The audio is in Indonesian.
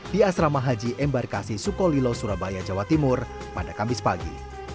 di asrama haji embarkasi sukolilo surabaya jawa timur pada kamis pagi